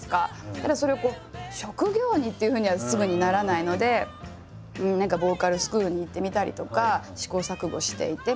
何かただそれを職業にっていうふうにはすぐにならないので何かボーカルスクールに行ってみたりとか試行錯誤していて。